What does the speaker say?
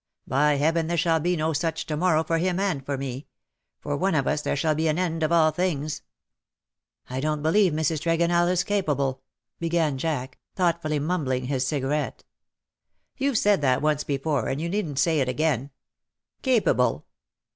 By Heaven there shall he no snch to morrow for him and for me. For one of us there shall be an end of all things.^^ ^* I don't believe Mrs. Tregonell is capable ''— began Jack, thoughtfully mumbling his cigarette. " YouVe said that once before, and you needn't say it again. Capable